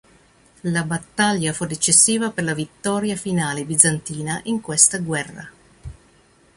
La battaglia fu decisiva per la vittoria finale bizantina in questa guerra.